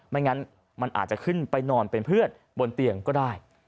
ไม่งั้นมันอาจจะขึ้นไปนอนเป็นเพื่อนบนเตียงก็ได้